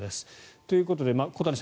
ということで、小谷さん